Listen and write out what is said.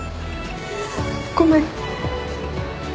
ごめん。